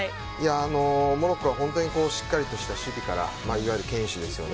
モロッコは本当にしっかりした守備から堅守ですよね。